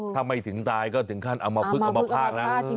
ถ้าไม่ถึงตายก็ถึงขั้นอมภึกอมภาพแล้ว